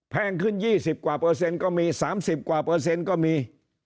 แพงขึ้น๒๐กว่าเปอร์เซ็นต์ก็มี๓๐กว่าเปอร์เซ็นต์ก็มี